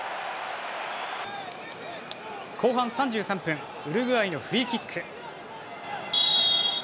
後半３３分ウルグアイのフリーキック。